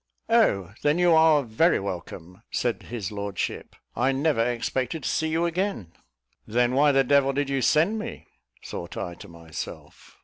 "Oh, then you are very welcome," said his lordship; "I never expected to see you again." "Then why the devil did you send me?" thought I to myself.